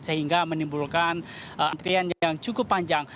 sehingga menimbulkan antrian yang cukup panjang